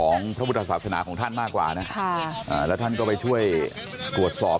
ของพระพุทธศาสนาของท่านมากกว่าและท่านก็ไปช่วยตรวจสอบ